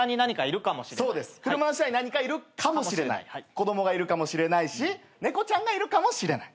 子供がいるかもしれないし猫ちゃんがいるかもしれない。